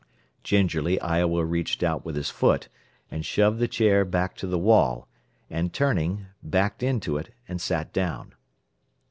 Gingerly Iowa reached out with his foot and shoved the chair back to the wall, and turning, backed into it and sat down.